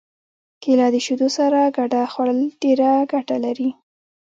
کېله د شیدو سره ګډه خوړل ډېره ګټه لري.